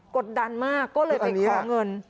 กดดันมากก็เลยไปขอเงิน